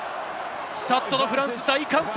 スタッド・ド・フランスは大歓声。